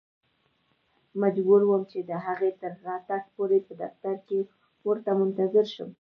مجبور وم چې د هغې تر راتګ پورې په دفتر کې ورته منتظر شم.